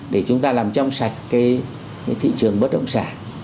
để chúng ta làm trong sạch cái thị trường bất động sản